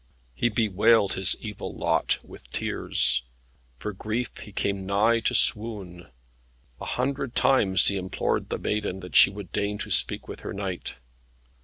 He bewailed his evil lot, with tears; for grief he came nigh to swoon; a hundred times he implored the Maiden that she would deign to speak with her knight.